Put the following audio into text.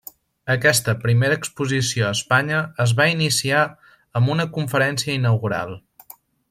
Aquesta primera exposició a Espanya es va iniciar amb una conferència inaugural.